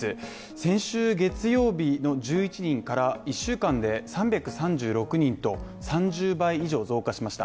先週月曜日の１１人から１週間で３３６人と３０倍以上増加しました。